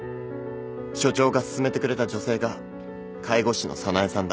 所長が勧めてくれた女性が介護士の早苗さんだ。